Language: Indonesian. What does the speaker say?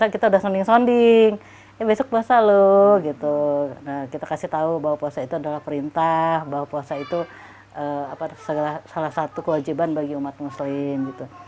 kita kasih tahu bahwa puasa itu adalah perintah bahwa puasa itu salah satu kewajiban bagi umat muslim